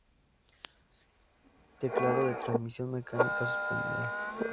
Teclado de transmisión mecánica suspendida.